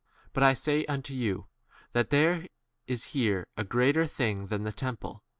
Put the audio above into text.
But I say unto you, that there is here a greater things than 7 the temple.